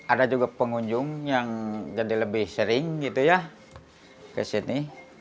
ada juga pengunjung yang jadi lebih sering gitu ya ke sini